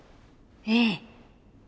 ええ。